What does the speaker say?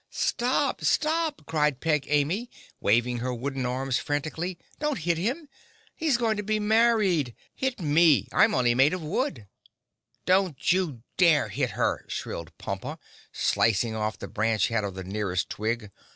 "Stop! Stop!" cried Peg Amy, waving her wooden arms frantically. "Don't hit him. He's going to be married. Hit me, I'm only made of wood!" "Don't you dare hit her!" shrilled Pompa, slicing off the branch head of the nearest Twig.